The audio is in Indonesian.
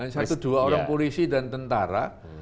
satu dua orang polisi dan tentara